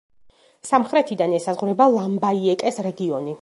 სამხრეთიდან ესაზღვრება ლამბაიეკეს რეგიონი.